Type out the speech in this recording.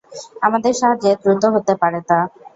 আমাদের সাহায্যে দ্রুত হতে পারে তা।